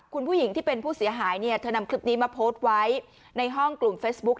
คุณผู้หญิงที่เป็นผู้เสียหายเนี่ยเธอนำคลิปนี้มาโพสต์ไว้ในห้องกลุ่มเฟซบุ๊ค